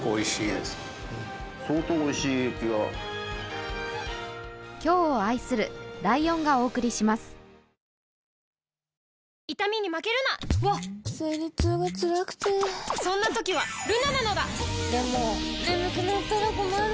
でも眠くなったら困る